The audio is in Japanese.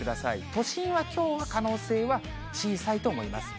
都心はきょうは可能性は小さいと思います。